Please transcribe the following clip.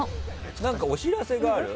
何か、お知らせがある？